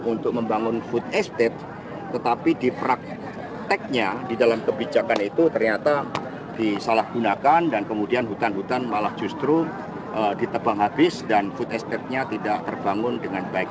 untuk membangun food estate tetapi di prakteknya di dalam kebijakan itu ternyata disalahgunakan dan kemudian hutan hutan malah justru ditebang habis dan food estate nya tidak terbangun dengan baik